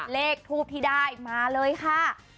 เลขทูปที่ได้มาเลยค่ะ